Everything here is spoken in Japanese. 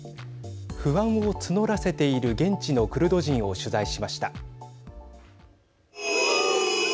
不安を募らせている現地のクルド人を取材しました。